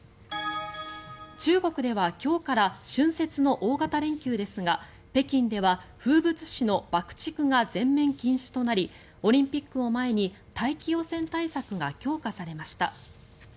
中国では今日から春節の大型連休ですが北京では風物詩の爆竹が全面禁止となりオリンピックを前に大気汚染対策が強化されました。